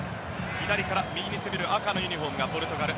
左から右に攻める赤のユニホームがポルトガル。